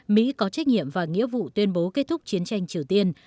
mỹ có trách nhiệm và nghĩa vụ tuyên bố kết thúc chiến tranh triều tiên